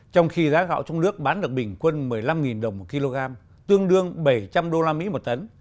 trong khi giá gạo trong nước bán được bình quân một mươi năm đồng một kg tương đương bảy trăm linh usd một tấn